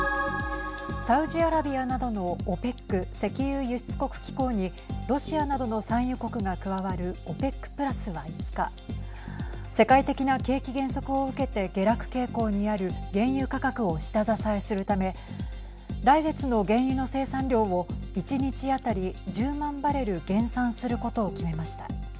サウジアラビアなどのＯＰＥＣ＝石油輸出国機構にロシアなどの産油国が加わるＯＰＥＣプラスは５日世界的な景気減速を受けて下落傾向にある原油価格を下支えするため来月の原油の生産量を１日当たり１０万バレル減産することを決めました。